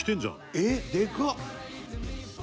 「えっでかっ！」